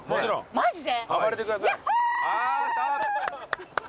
マジで？